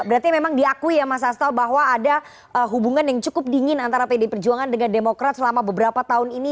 berarti memang diakui ya mas asto bahwa ada hubungan yang cukup dingin antara pdi perjuangan dengan demokrat selama beberapa tahun ini